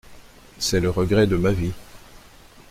C’est le regret de ma vie…